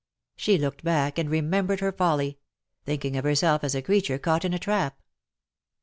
She looked back and remembered her folly — thinking of herself as a creature caught in a trap.